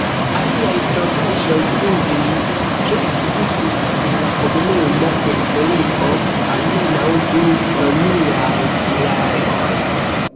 Aliaj trovaĵoj pruvis, ke ekzistis sur la komunuma teritorio almenaŭ du romiaj vilaoj.